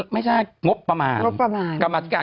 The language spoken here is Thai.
ไม่ใช่งบประมาณ